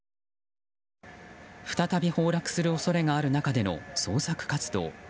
再び崩落する恐れがある中での捜索活動。